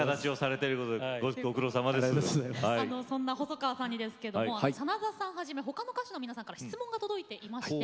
そんな細川さんに真田さんをはじめほかの歌手の皆さんから質問が届いています。